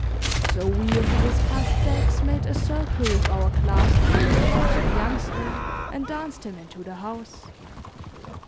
So we of the discussed sex made a circle with our clasped hand about the Youngster and danced him into the house.